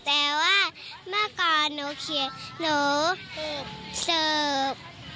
แต่ว่าเมื่อก่อนหนูเขียนหนูเสิร์ฟ